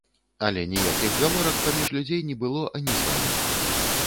Але ніякіх гаворак паміж людзей не было анізвання.